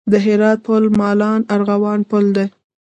د هرات پل مالان ارغوان پل دی